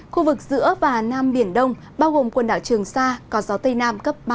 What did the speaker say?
khu vực giữa và nam biển đông bao gồm quần đảo trường sa có gió tây nam cấp ba